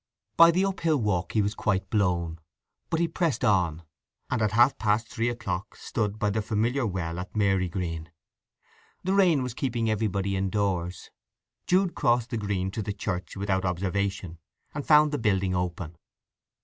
By the up hill walk he was quite blown, but he pressed on; and at half past three o'clock stood by the familiar well at Marygreen. The rain was keeping everybody indoors; Jude crossed the green to the church without observation, and found the building open.